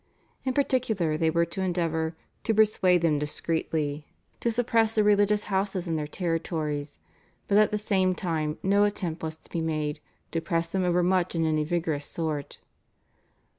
In particular they were to endeavour "to persuade them discreetly" to suppress the religious houses in their territories, but at the same time no attempt was to be made "to press them overmuch in any vigorous sort."